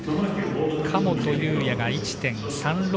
神本雄也が１．３６５の差。